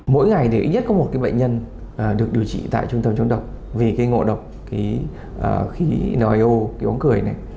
mỗi ngày thì ít nhất có một bệnh nhân được điều trị tại trung tâm chống độc vì ngộ độc khí nio bóng cười